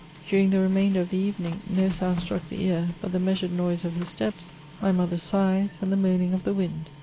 During the remainder of the evening, no sound struck the ear but the measured noise of his steps, my mother's sighs, and the moaning of the wind.